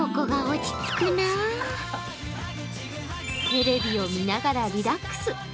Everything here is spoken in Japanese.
テレビを見ながらリラックス。